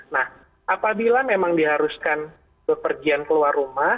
nah apabila memang diharuskan bepergian keluar rumah